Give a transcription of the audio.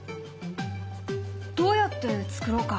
どうやって作ろうか？